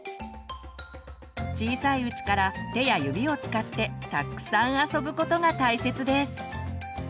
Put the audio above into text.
小さいうちから手や指を使ってたっくさん遊ぶことが大切です。